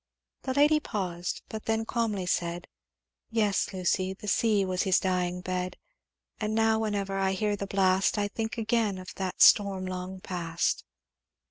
"The lady paused, but then calmly said, 'Yes, Lucy the sea was his dying bed, And now whenever I hear the blast I think again of that storm long past.